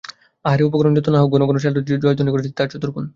আহারের উপকরণ যত না হোক, ঘন ঘন চাটুজ্যেদের জয়ধ্বনি উঠছে তার চতুর্গুণ।